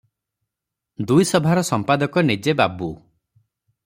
ଦୁଇ ସଭାର ସମ୍ପାଦକ ନିଜେ ବାବୁ ।